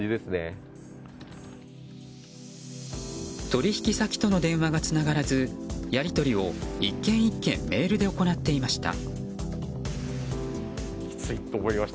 取引先との電話がつながらずやり取りを１件１件メールで行っていました。